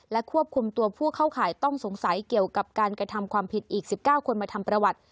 ควบคุมตัวผู้เข้าข่ายต้องสงสัยเกี่ยวกับการกระทำความผิดอีก๑๙คนมาทำประวัติ